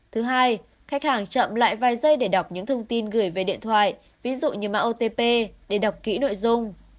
thứ hai khách hàng chậm lại vài giây để đọc những thông tin gửi về điện thoại ví dụ như mạng otp để đọc kỹ nội dung